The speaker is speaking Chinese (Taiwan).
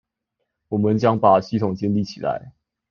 我們將會把系統建立起來